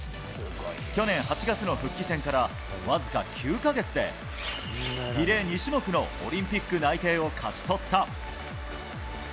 去年８月の復帰戦からわずか９か月でリレー２種目のオリンピック内定を勝ち取った。